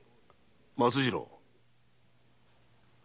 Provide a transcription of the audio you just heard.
松次郎。